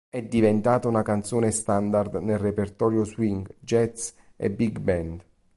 È diventata una canzone standard nel repertorio swing, jazz e big band.